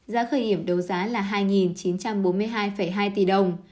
giá khởi điểm đấu giá là hai chín trăm bốn mươi hai hai tỷ đồng